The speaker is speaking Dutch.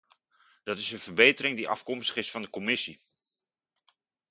Dat is een verbetering die afkomstig is van de commissie.